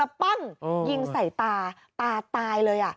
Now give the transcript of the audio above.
อีกนึงตามงดก็ยิงใส่ตาตายเลย